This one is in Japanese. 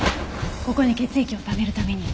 ここに血液をためるために。